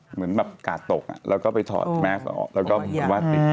เหมือนแบบกาดตกแล้วก็ไปถอดแม็กซ์ออกแล้วก็วาดติด